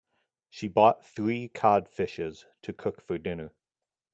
She bought three cod fishes to cook for dinner.